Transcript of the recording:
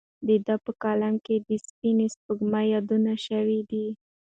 د ده په کلام کې د سپینې سپوږمۍ یادونه شوې ده.